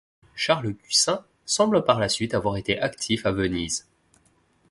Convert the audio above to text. Charles Gussin semble par la suite avoir été actif à Venise.